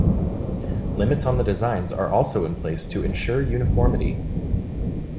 Limits on the designs are also in place to ensure uniformity.